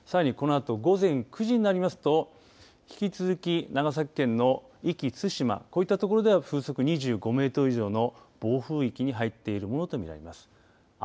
さらに、このあと午前９時になりますと引き続き長崎県の壱岐・対馬こういったところでは風速２５メートル以上の暴風域に入っているものと見られます。